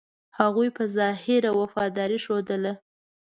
هغوی په ظاهره وفاداري ښودله.